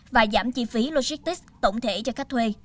và giảm chi phí logistics tổng thể cho khách thuê